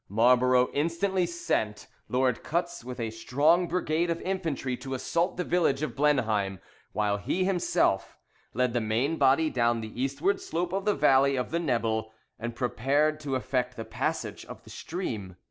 Marlborough instantly sent Lord Cutts, with a strong brigade of infantry, to assault the village of Blenheim, while he himself led the main body down the eastward slope of the valley of the Nebel, and prepared to effect the passage of the stream.